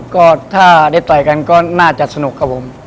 ก็ถ้าได้ต่อยกันก็น่าจะสนุกครับผม